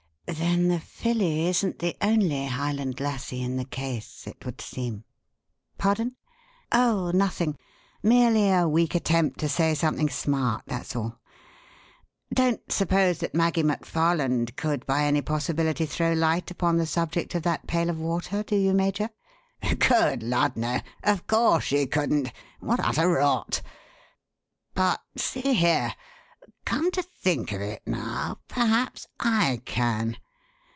Then the filly isn't the only 'Highland Lassie' in the case, it would seem. Pardon? Oh, nothing. Merely a weak attempt to say something smart, that's all. Don't suppose that Maggie McFarland could by any possibility throw light upon the subject of that pail of water, do you, Major?" "Good lud, no! Of course she couldn't. What utter rot. But see here come to think of it now, perhaps I can.